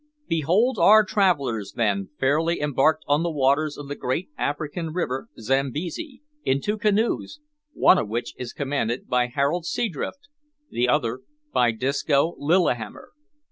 Behold our travellers, then, fairly embarked on the waters of the great African river Zambesi, in two canoes, one of which is commanded by Harold Seadrift, the other by Disco Lillihammer.